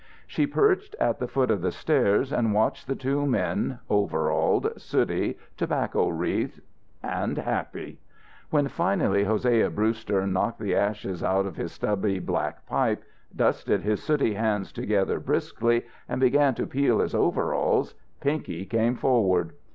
She perched at the foot of the stairs and watched the two men, overalled, sooty, tobacco wreathed and happy. When finally, Hosea Brewster knocked the ashes out of his stubby black pipe, dusted his sooty hands together briskly and began to peel his overalls, Pinky came forward.